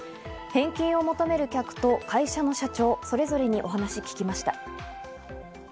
返金を求める客と会社の社長、それぞれにお話を聞きました。